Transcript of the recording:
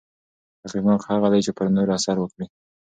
اغېزناک هغه دی چې پر نورو اثر وکړي.